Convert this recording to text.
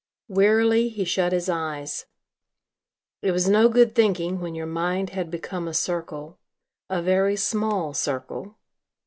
Wearily, he shut his eyes. It was no good thinking when your mind had become a circle a very small circle.